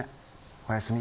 おやすみ。